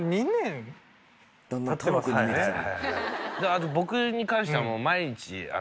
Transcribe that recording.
あと僕に関しては。